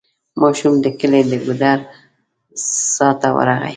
ماشوم د کلي د ګودر څا ته ورغی.